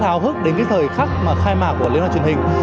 rất háo hức đến cái thời khắc mà khai mạc của liên hoan truyền hình